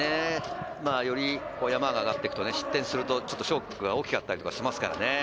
より山が上がっていくと失点すると、ショックが大きかったりしますからね。